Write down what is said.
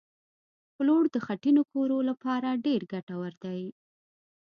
پلوړ د خټینو کورو لپاره ډېر ګټور دي